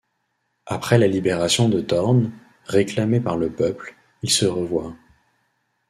Après la libération de Thorne, réclamé par le peuple, ils se revoient.